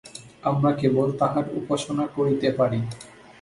আমরা কেবল তাঁহার উপাসনা করিতে পারি।